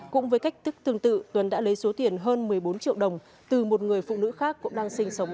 cũng với cách thức tương tự tuấn đã lấy số tiền hơn một mươi bốn triệu đồng từ một người phụ nữ khác cũng đang sinh sống